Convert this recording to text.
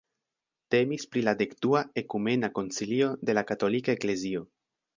Temis pri la dekdua ekumena koncilio de la katolika eklezio.